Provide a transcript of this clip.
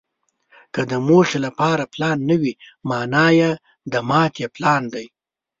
که د موخې لپاره پلان نه وي، مانا یې د ماتې پلان دی.